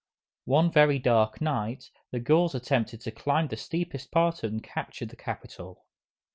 One very dark night, the Gauls attempted to climb the steepest part and capture the Capitol.